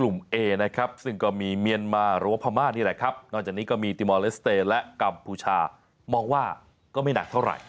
มองว่าก็ไม่หนักเท่านั้นนะครับ